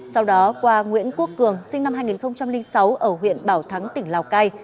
sau đó qua nguyễn quốc cường sinh năm hai nghìn sáu ở huyện bảo thắng tỉnh lào cai